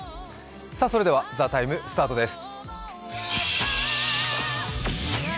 それでは「ＴＨＥＴＩＭＥ，」スタートです。